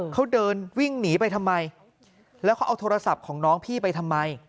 เขาเดินวิ่งหนีไปทำไมแล้วเขาเอาโทรศัพท์ของน้องพี่ไปทำไม